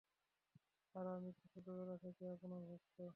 আর, আমি তো ছোটবেলা থেকেই আপনার ভক্ত!